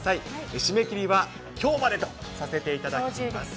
締め切りは、きょうまでとさせていただきます。